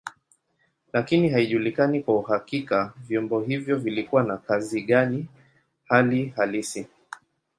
Lakini haijulikani kwa uhakika vyombo hivyo vilikuwa na kazi gani hali halisi.